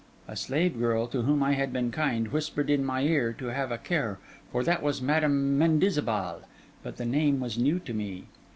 A slave girl, to whom I had been kind, whispered in my ear to have a care, for that was Madam Mendizabal; but the name was new to me.